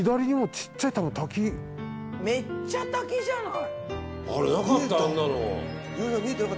めっちゃ滝じゃない。